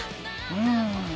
うん。